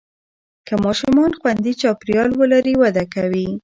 که ماشومان خوندي چاپېریال ولري، وده کوي.